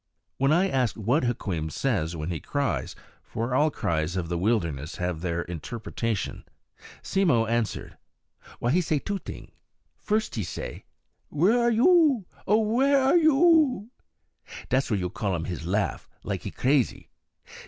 When I asked what Hukweem says when he cries for all cries of the wilderness have their interpretation Simmo answered: "Wy, he say two ting. First he say, Where are you? O where are you? Dass what you call um his laugh, like he crazy.